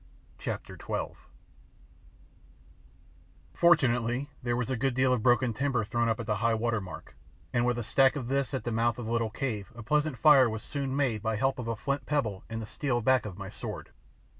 CHAPTER XII Fortunately there was a good deal of broken timber thrown up at "high water" mark, and with a stack of this at the mouth of the little cave a pleasant fire was soon made by help of a flint pebble and the steel back of my sword.